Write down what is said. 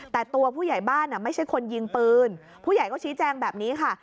แต่ตัวผู้ใหญ่บ้านไม่ใช่คนยิงปืนผู้ใหญ่ก็ชี้แจงแบบนี้ค่ะ